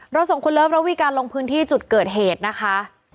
ส่งคุณเลิฟระวีการลงพื้นที่จุดเกิดเหตุนะคะ